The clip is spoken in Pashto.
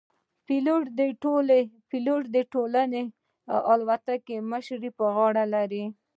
پیلوټ د ټولې الوتکې مشري پر غاړه لري.